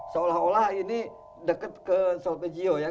seolah olah ini dekat ke solpe jio ya